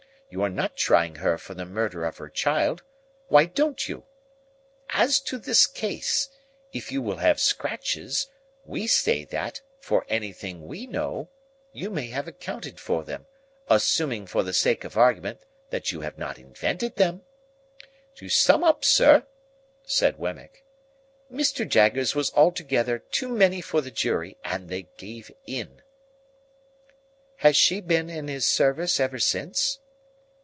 You are not trying her for the murder of her child; why don't you? As to this case, if you will have scratches, we say that, for anything we know, you may have accounted for them, assuming for the sake of argument that you have not invented them?" "To sum up, sir," said Wemmick, "Mr. Jaggers was altogether too many for the jury, and they gave in." "Has she been in his service ever since?"